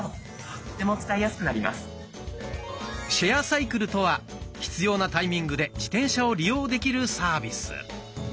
シェアサイクルとは必要なタイミングで自転車を利用できるサービス。